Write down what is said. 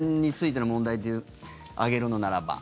感染についての問題を挙げるのならば。